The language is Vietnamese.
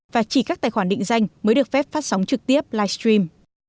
và chỉ các tài khoản định danh mới được phép phát sóng trực tiếp live stream